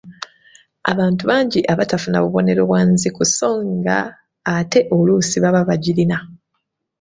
Abantu bangi abatafuna bubonero bwa nziku so ng'ate oluusi baba bagirina